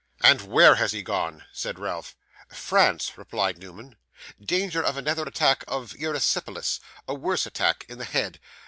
'And WHERE has he gone?' said Ralph. 'France,' replied Newman. 'Danger of another attack of erysipelas a worse attack in the head.